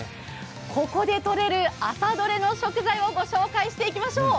ここでとれる朝どれの食材をご紹介していきましょう。